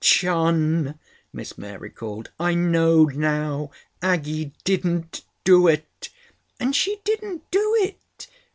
"John," Miss Mary called, "I know now. Aggie didn't do it!" and "She didn't do it!"